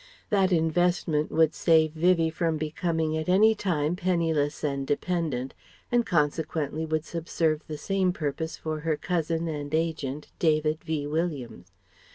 That investment would save Vivie from becoming at any time penniless and dependent, and consequently would subserve the same purpose for her cousin and agent, David V. Williams.